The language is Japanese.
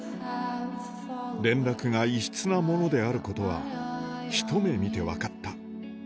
連絡が異質なものであることは、一目見て分かった。